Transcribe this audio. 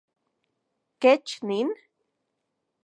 ¿Kech nin?